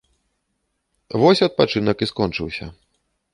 Вось адпачынак і скончыўся.